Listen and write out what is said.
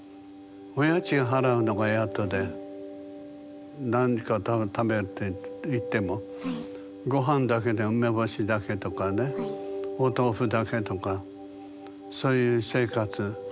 お家賃払うのがやっとで何か食べるっていってもごはんだけで梅干しだけとかねお豆腐だけとかそういう生活。